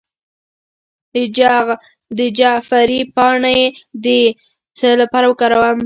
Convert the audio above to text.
د جعفری پاڼې د څه لپاره وکاروم؟